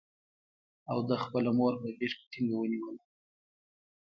او ده خپله مور په غېږ کې ټینګه ونیوله.